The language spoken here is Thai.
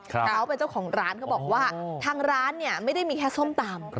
เขาเป็นเจ้าของร้านเขาบอกว่าทางร้านเนี่ยไม่ได้มีแค่ส้มตำ